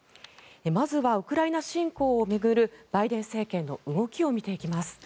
まずは、ウクライナ侵攻を巡るバイデン政権の動きを見ていきます。